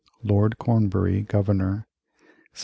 Lord Cornbury Governor 1705.